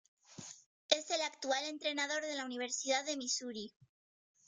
Es el actual entrenador de la Universidad de Missouri.